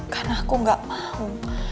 karena aku gak mau